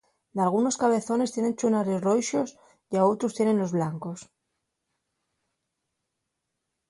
Dalgunos cabezones tienen ḷḷunares roixos ya outros tiénenlos blancos.